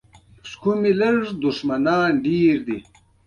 د موادو د ویلې کېدو او انجماد نقطه یوه ده.